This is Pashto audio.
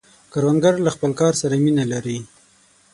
کروندګر له خپل کار سره مینه لري